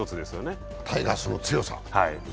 それがタイガースの強さ。